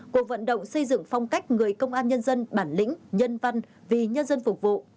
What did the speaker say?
cuộc vận động xây dựng phong cách người công an nhân dân bản lĩnh nhân văn vì nhân dân phục vụ